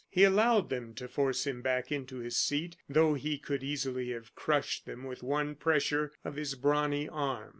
He allowed them to force him back into his seat though he could easily have crushed them with one pressure of his brawny arm.